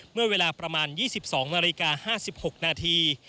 เมื่อเวลาประมาณ๒๒นาฬิกา๕๖นาที